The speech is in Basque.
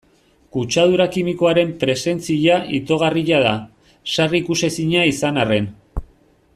Kutsadura kimikoaren presentzia itogarria da, sarri ikusezina izan arren.